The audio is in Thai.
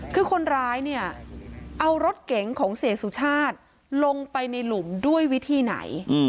คือคนร้ายเนี่ยเอารถเก๋งของเสียสุชาติลงไปในหลุมด้วยวิธีไหน